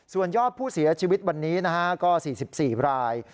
ส่วนยอดผู้เสียชีวิตวันนี้ก็๔๔ราย